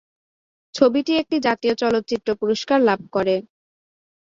ছবিটি একটি জাতীয় চলচ্চিত্র পুরস্কার লাভ করে।